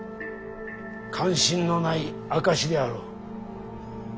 関心のない証しであろう。